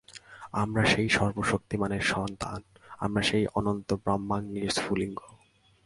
আমরা সেই সর্বশক্তিমানের সন্তান, আমরা সেই অনন্ত ব্রহ্মাগ্নির স্ফুলিঙ্গ।